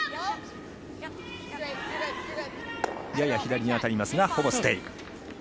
やや左に当たりますが、ほぼステイ。